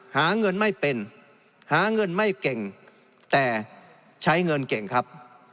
หาเงินไม่เป็นหาเงินไม่เก่งแต่ใช้เงินเก่งครับ